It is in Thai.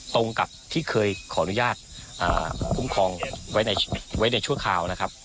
ตรงกับที่เคยขออนุญาตคุ้มครองไว้ในชั่วคราวนะครับ